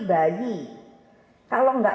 bayi kalau enggak